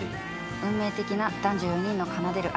運命的な男女４人の奏でる愛の物語を。